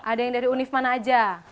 ada yang dari unif mana aja